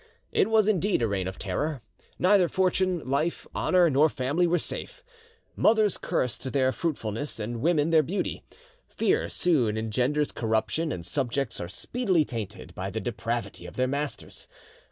It was indeed a reign of terror; neither fortune, life, honour, nor family were safe. Mothers cursed their fruitfulness, and women their beauty. Fear soon engenders corruption, and subjects are speedily tainted by the depravity of their masters.